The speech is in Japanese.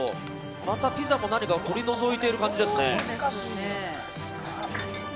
またピザも取り除いている感じですね。